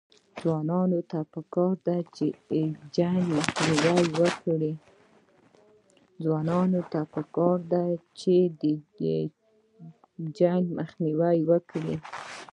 ځوانانو ته پکار ده چې، جنګ مخنیوی وکړي